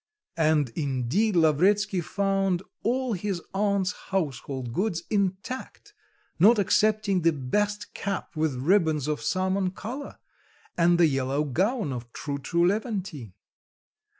And, indeed, Lavretsky found all his aunt's household goods intact, not excepting the best cap with ribbons of salmon colour, and the yellow gown of tru tru lévantine.